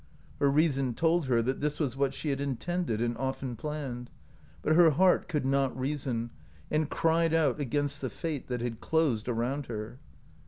Her reason told her that this was what she had intended and often planned ; but her heart could not reason, and cried out against the fate that had closed around her.